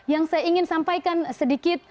yang saya ingin sampaikan sedikit